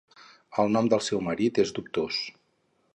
El nom del seu marit és dubtós.